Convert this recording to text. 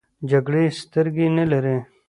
جګړې سترګې نه لري .